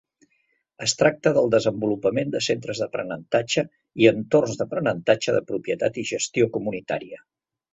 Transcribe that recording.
Es tracta del desenvolupament de centres d'aprenentatge i entorns d'aprenentatge de propietat i gestió comunitària.